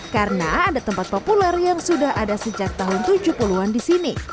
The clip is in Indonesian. karena ada tempat populer yang sudah ada sejak tahun tujuh puluh an di sini